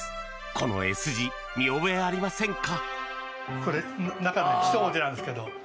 このＳ字、見覚えありませんか？